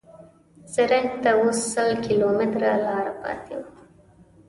زرنج ته اوس سل کیلومتره لاره پاتې وه.